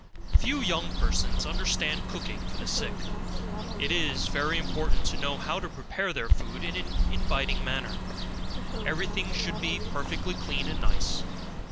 Few young persons understand cooking for the sick. It is very important to know how to prepare their food in an inviting manner; every thing should be perfectly clean and nice.